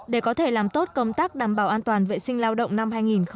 để có thể làm tốt công tác đảm bảo an toàn vệ sinh lao động năm hai nghìn hai mươi